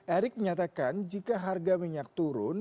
erick menyatakan jika harga minyak turun